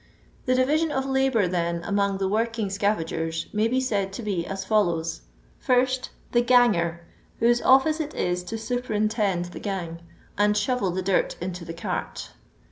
The division of labour, then, among the wink ing scavagers, may be said to be as follows :— 1st. The ffanffWf whose office it is to superin tend the gang, and shovel the dirt into the cart.